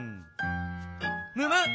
むむ！